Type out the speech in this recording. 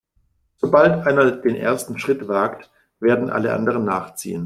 Sobald einer den ersten Schritt wagt, werden alle anderen nachziehen.